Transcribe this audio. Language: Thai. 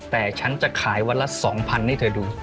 แต่ฉันจะขายวันละ๒๐๐๐ให้เธอดู